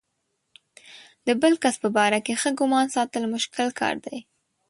د بل کس په باره کې ښه ګمان ساتل مشکل کار دی.